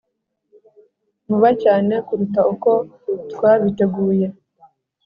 vuba cyane kuruta uko twabiteguye.